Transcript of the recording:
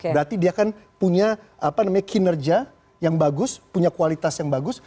berarti dia kan punya kinerja yang bagus punya kualitas yang bagus